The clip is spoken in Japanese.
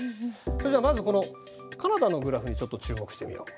それじゃあまずこのカナダのグラフにちょっと注目してみよう。